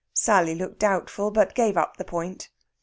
Sally looked doubtful, but gave up the point.